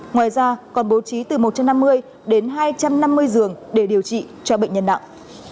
ngoài ra còn bố trí từ một trăm năm mươi đến hai trăm năm mươi giường để điều trị cho bệnh nhân nặng